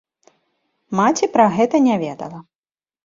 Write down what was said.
Маці пра гэта не ведала.